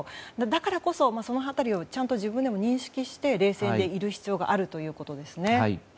だからこそ、その辺りを自分でもちゃんと認識して冷静である必要があるということですね。